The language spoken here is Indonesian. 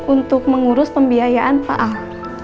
untuk mengurus pembiayaan pak ahok